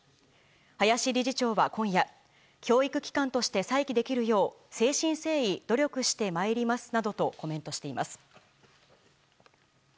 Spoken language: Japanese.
林理事長は今夜教育機関として再起できるよう誠心誠意努力してまいりますなどとコメントしています。